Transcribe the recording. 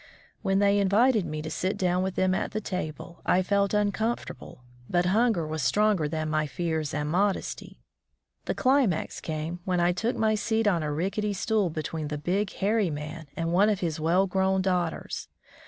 When they invited me to sit down with them at the table, I felt uncomfortable, but hunger was stronger than my fears 35 From the Deep Woods to Civilization and modesty. The climax came when I took my seat on a rickety stool between the big, hairy man and one of his well grown daughters.